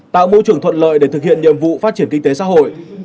tạo môi trường thuận lợi để thực hiện nhiệm vụ phát triển kinh tế xã hội